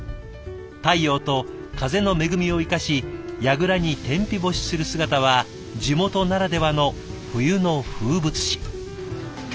太陽と風の恵みを生かしやぐらに天日干しする姿は地元ならではの冬の風物詩。